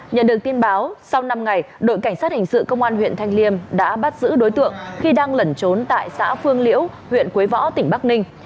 nhận được tin báo sau năm ngày đội cảnh sát hình sự công an huyện thanh liêm đã bắt giữ đối tượng khi đang lẩn trốn tại xã phương liễu huyện quế võ tỉnh bắc ninh